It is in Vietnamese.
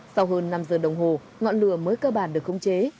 sau hơn năm giờ đồng hồ ngọn lửa mới cơ bản được khống chế